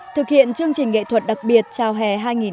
thực hiện chương trình nghệ thuật đặc biệt chào hè hai nghìn một mươi chín